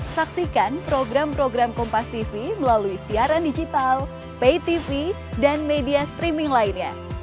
saksikan program program kompastv melalui siaran digital paytv dan media streaming lainnya